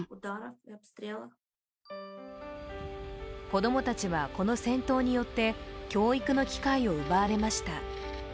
子供たちは、この戦闘によって教育の機会を奪われました。